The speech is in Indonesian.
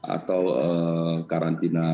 atau karantina mandiri ya